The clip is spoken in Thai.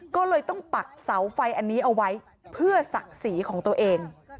ก็เลยต้องปักเสาไฟอันนี้เอาไว้เพื่อศักดิ์ศรีของตัวเอง